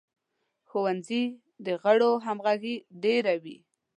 د ښوونځي د غړو همغږي ډیره وي.